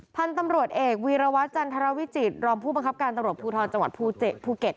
พันธ์ตำรวจเอกวีรวทจันทรวรวิจิตรอบผู้ปังคับการตำรวจพูททองจังหวัดโภเขศ